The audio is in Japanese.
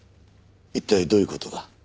一体どういう事だ？